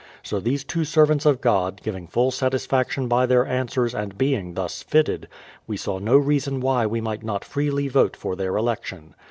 So these two servants of God, giving full satisfaction by their answers and being thus fitted, we saw no reason why we miglit not freely vote for their election.